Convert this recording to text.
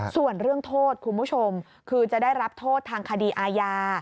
ส่วนเรื่องโทษคุณผู้ชมคือจะได้รับโทษทางคดีอาญา